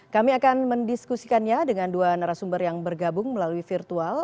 kami akan mendiskusikannya dengan dua narasumber yang bergabung melalui virtual